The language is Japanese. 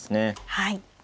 はい。